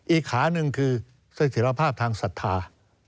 อีกขานึงคือสถิษฐภาพทางศรัทธา